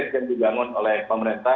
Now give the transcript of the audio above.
yang diganggu oleh pemerintah